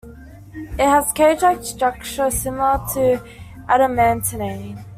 It has a cage-like structure similar to adamantane.